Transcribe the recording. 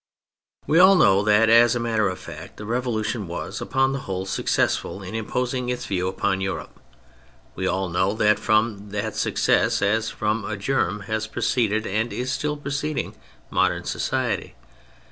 We all know that as a matter of fact the Revolution was, upon the whole, successful in imposing its view upon Europe. We all know that from that success as from a germ has proceeded, and is still proceeding, modern society.